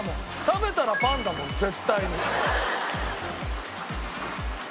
食べたらパンだもん絶対に。